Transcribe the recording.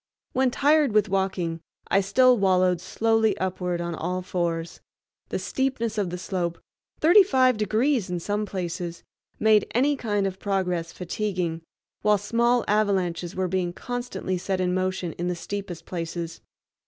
When tired with walking I still wallowed slowly upward on all fours. The steepness of the slope—thirty five degrees in some places—made any kind of progress fatiguing, while small avalanches were being constantly set in motion in the steepest places.